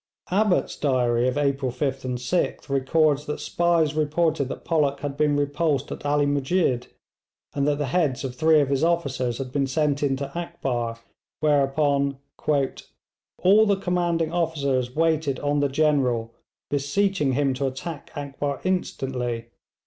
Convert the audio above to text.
Abbott's diary of April 5th and 6th records that spies reported that Pollock had been repulsed at Ali Musjid, and that the heads of three of his officers had been sent in to Akbar, whereupon 'all the commanding officers waited on the General, beseeching him to attack Akbar instantly.